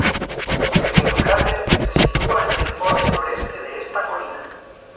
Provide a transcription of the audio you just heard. Un pequeño cráter se sitúa en el borde noreste de esta colina.